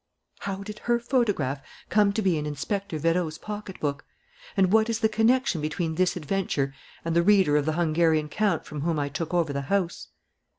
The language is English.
How did her photograph come to be in Inspector Vérot's pocket book? And what is the connection between this adventure and the reader of the Hungarian count from whom I took over the house?"